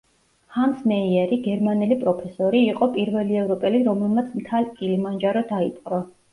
ჰანს მეიერი, გერმანელი პროფესორი, იყო პირველი ევროპელი, რომელმაც მთა კილიმანჯარო დაიპყრო.